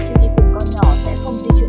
khi đi cùng con nhỏ sẽ không di chuyển